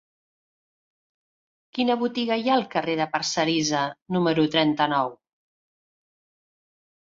Quina botiga hi ha al carrer de Parcerisa número trenta-nou?